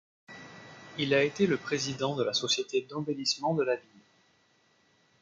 Il a été le président de la Société d'embellissement de la ville.